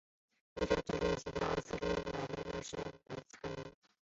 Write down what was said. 这一决定让影片与其他近期的奥斯汀小说改编影视剧本相比有着明显的视觉差异。